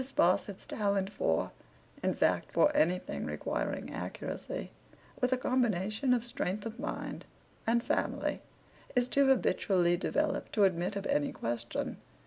Sparsit's talent for—in fact for anything requiring accuracy—with a combination of strength of mind—and Family—is too habitually developed to admit of any question.